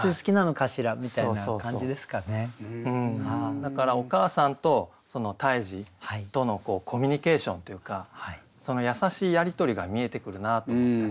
だからお母さんと胎児とのコミュニケーションというか優しいやり取りが見えてくるなと思ってね。